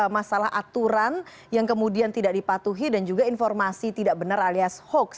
masalah aturan yang kemudian tidak dipatuhi dan juga informasi tidak benar alias hoax